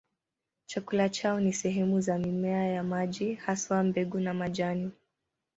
Chakula chao ni sehemu za mimea ya maji, haswa mbegu na majani.